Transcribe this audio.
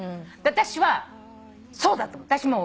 私はそうだと思う。